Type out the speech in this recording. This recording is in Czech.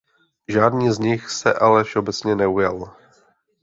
Žádný z nich se ale všeobecně neujal.